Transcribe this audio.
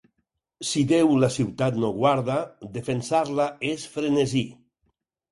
Si Déu la ciutat no guarda, defensar-la és frenesí.